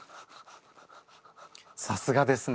さすがですね